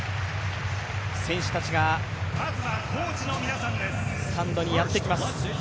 選手たちがスタンドにやってきます。